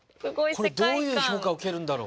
これどういう評価受けるんだろう？